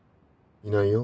いないよ。